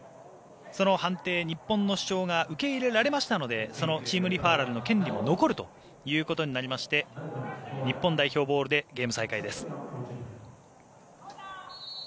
その判定、日本の主張が受け入れられましたのでそのチームリファーラルの権利も残ることになりまして日本代表ボールでゲーム再開です。